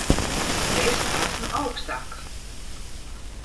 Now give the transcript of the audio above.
Es esmu augstāk.